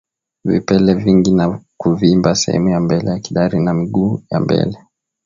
Vipele vingi na kuvimba sehemu ya mbele ya kidari na miguu ya mbele